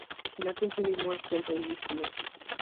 Nothing can be more simple, you see.